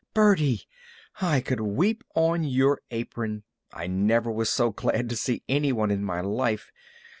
"Birdie! I could weep on your apron! I never was so glad to see any one in my life.